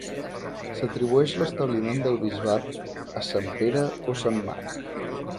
S'atribueix l'establiment del bisbat a Sant Pere o Sant Marc.